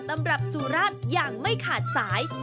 ตำรับสุราชอย่างไม่ขาดสาย